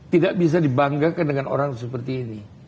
tidak bisa dibanggakan dengan orang seperti ini